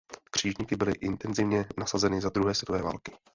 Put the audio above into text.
Křižníky byly intenzivně nasazeny za druhé světové války.